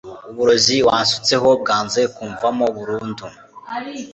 Uburozi wansutseho bwanze kumvamo burundu